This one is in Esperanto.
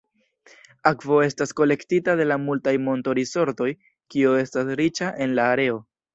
Akvo estas kolektita de la multaj monto-risortoj, kio estas riĉa en la areo.